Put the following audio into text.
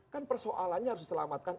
kan persoalannya harus diselamatkan